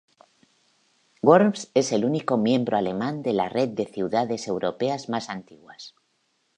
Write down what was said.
Worms es el único miembro alemán de la Red de ciudades europeas más antiguas.